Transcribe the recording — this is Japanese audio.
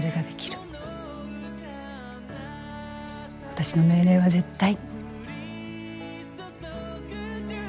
私の命令は絶対。